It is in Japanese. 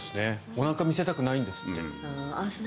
おなかを見せたくないんですって。